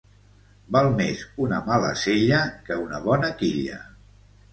Val més una mala sella que una bona quilla.